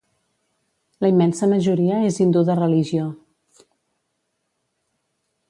La immensa majoria és hindú de religió.